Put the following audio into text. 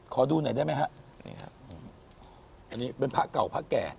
ขอดูหน่อยได้ไหมฮะนี่ฮะอันนี้เป็นพระเก่าพระแก่